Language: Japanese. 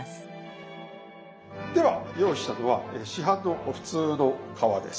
では用意したのは市販の普通の皮です。